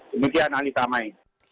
demikian anita mai